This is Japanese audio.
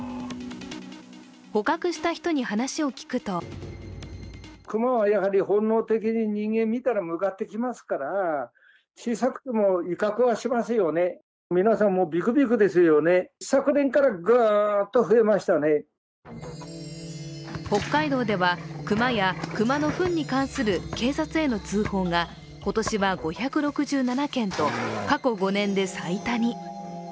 捕獲した人に話を聞くと北海道では熊や熊のふんに関する警察への通報が今年は５６７件と過去５年で最多に。